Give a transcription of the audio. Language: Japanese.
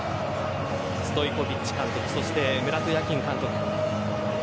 ストイコヴィッチ監督そしてムラト・ヤキン監督。